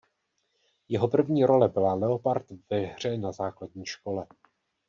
Jeho první role byla leopard ve hře na základní škole.